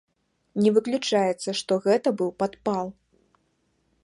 Не выключаецца, што гэта быў падпал.